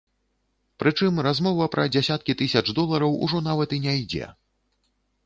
Прычым размова пра дзясяткі тысяч долараў ужо нават і не ідзе.